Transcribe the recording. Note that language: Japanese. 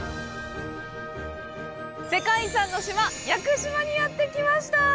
世界遺産の島・屋久島にやってきました！